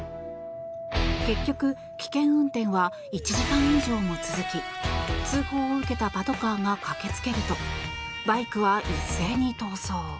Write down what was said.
結局、危険運転は１時間以上も続き通報を受けたパトカーが駆け付けるとバイクは一斉に逃走。